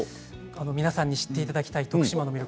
皆さんに知っていただきたい徳島の魅力